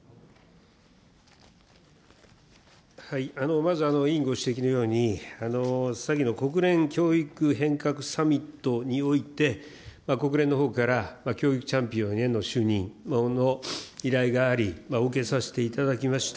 まず委員ご指摘のように、さきの国連教育変革サミットにおいて、国連のほうから教育チャンピオンへの就任の依頼があり、お受けさせていただきました。